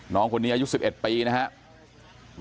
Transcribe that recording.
น้องคนนี้อายุ๑๑ปีนะครับ